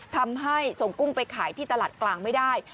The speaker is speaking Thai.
ทำให้ส่งกุ้งไปขายที่ตลาดกลางไม่ได้